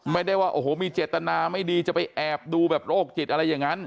ไม่ได้ว่าโอ้โหมีเจตนาไม่ดีจะไปแอบดูแบบโรคจิตอะไรอย่างนั้น